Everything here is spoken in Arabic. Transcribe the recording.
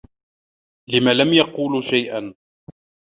لِمَ لًم يقولوا شيئا؟